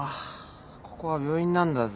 ここは病院なんだぜ。